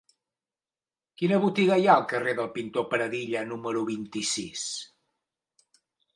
Quina botiga hi ha al carrer del Pintor Pradilla número vint-i-sis?